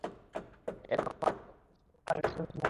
এরপর মাঝে মাঝে খেলা শুরুর সম্ভাবনা জাগলেও শেষ পর্যন্ত সম্ভব হয়নি।